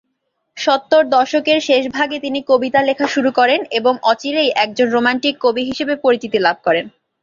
সত্তর দশকের শেষভাগে তিনি কবিতা লেখা শুরু করেন এবং অচিরেই একজন রোম্যান্টিক কবি হিসেবে পরিচিতি লাভ করেন।